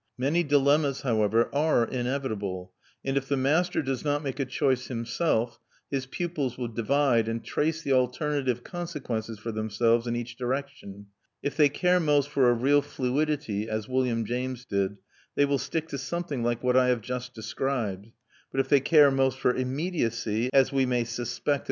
Many dilemmas, however, are inevitable, and if the master does not make a choice himself, his pupils will divide and trace the alternative consequences for themselves in each direction. If they care most for a real fluidity, as William James did, they will stick to something like what I have just described; but if they care most for immediacy, as we may suspect that M.